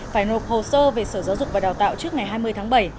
phải nộp hồ sơ về sở giáo dục và đào tạo trước ngày hai mươi tháng bảy